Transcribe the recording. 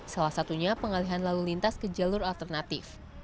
salah satunya pengalihan lalu lintas ke jalur alternatif